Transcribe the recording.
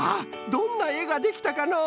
どんなえができたかのう？